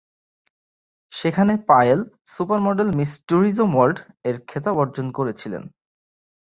সেখানে Payel "super model miss tourism ওয়ার্ল্ড"-এর খেতাব অর্জন করেছিলেন।